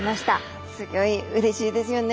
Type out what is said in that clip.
すギョいうれしいですよね。